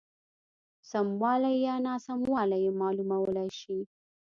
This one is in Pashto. سموالی یا ناسموالی یې معلومولای شي.